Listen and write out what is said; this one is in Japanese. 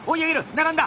並んだ！